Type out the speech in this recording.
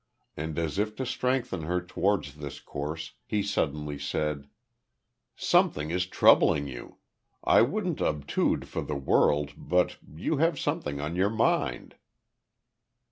And as if to strengthen her towards this course he suddenly said: "Something is troubling you. I wouldn't obtude for the world, but you have something on your mind."